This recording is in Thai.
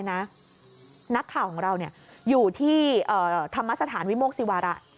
นักข่าวของเราอยู่ที่ธรรมสถานวิโมกศิวาระ